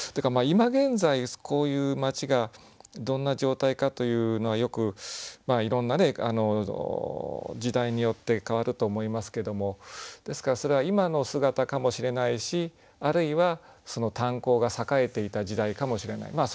今現在こういう街がどんな状態かというのはよくいろんな時代によって変わると思いますけどもですからそれは今の姿かもしれないしあるいはその炭鉱が栄えていた時代かもしれない。